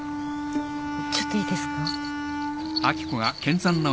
ちょっといいですか？